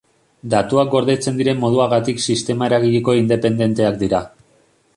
Datuak gordetzen diren moduagatik sistema eragileko independenteak dira.